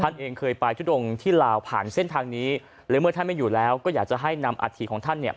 เองเคยไปทุดงที่ลาวผ่านเส้นทางนี้และเมื่อท่านไม่อยู่แล้วก็อยากจะให้นำอาธิของท่านเนี่ย